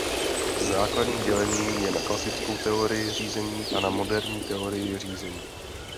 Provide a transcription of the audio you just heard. Základní dělení je na klasickou teorii řízení a na moderní teorii řízení.